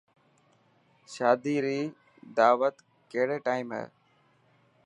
شادي ري داوتو ڪهڙي ٽائم هي.